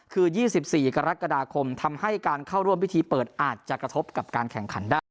คือ๒๔กรกฎาคมทำให้การเข้าร่วมพิธีเปิดอาจจะกระทบกับการแข่งขันได้